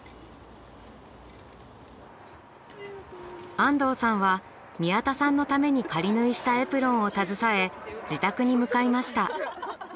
安藤さんは宮田さんのために仮縫いしたエプロンを携え自宅に向かいました。